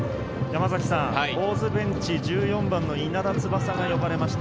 大津ベンチ、１４番の稲田翼が呼ばれました。